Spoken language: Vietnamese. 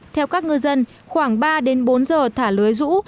theo các ngư dân khoảng ba đến bốn giờ thả lưới rũ